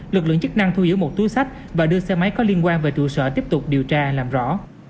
lực lượng chức năng thu giữ một túi sách và đưa xe máy có liên quan về trụ sở tiếp tục điều tra làm rõ